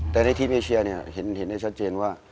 แต่ในทีมเอเชียเนี่ยเห็นได้ชัดเจนว่า